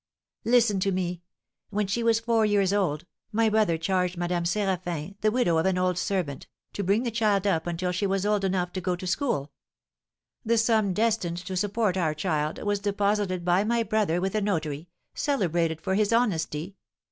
"Listen to me! When she was four years old, my brother charged Madame Séraphin, the widow of an old servant, to bring the child up until she was old enough to go to school. The sum destined to support our child was deposited by my brother with a notary, celebrated for his honesty.